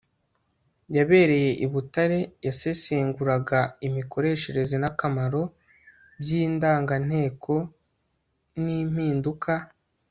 yabereye i butare yasesenguraga imikoreshereze n'akamaro by'indanganteko n'impinduka